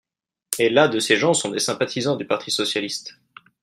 Et la de ces gens sont des sympathisants du parti socialiste